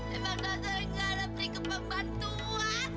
emang nasi gue nggak dapat dikepembantuan